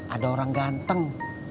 ada orang ganteng